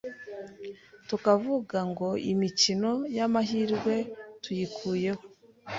tukavuga ngo imikino y’amahirwe tuyikuyeho,